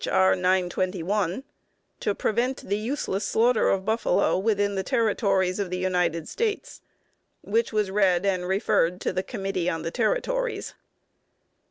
R. 921) to prevent the useless slaughter of buffalo within the Territories of the United States; which was read and referred to the Committee on the Territories.